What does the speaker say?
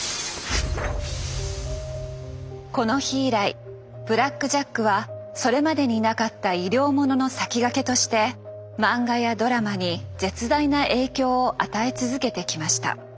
この日以来「ブラック・ジャック」はそれまでになかった医療ものの先駆けとして漫画やドラマに絶大な影響を与え続けてきました。